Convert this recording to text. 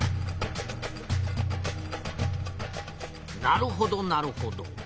なるほどなるほど。